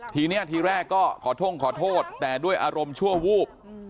ทีนี้ทีแรกก็ขอท่งขอโทษแต่ด้วยอารมณ์ชั่ววูบ